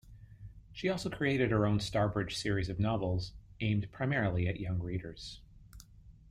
She also created her own Starbridge series of novels, aimed primarily at young readers.